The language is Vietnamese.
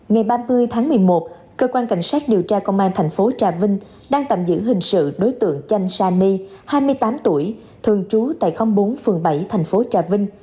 ngày ba mươi tháng một mươi một cơ quan cảnh sát điều tra công an thành phố trà vinh đang tạm giữ hình sự đối tượng chanh sa ni hai mươi tám tuổi thường trú tại khóm bốn phường bảy thành phố trà vinh